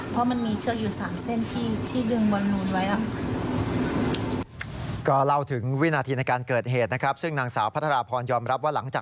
เพราะมันมีเชือกอยู่๓เส้นที่ดึงบอลลูนไว้